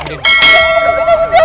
jangan deketin aku jangan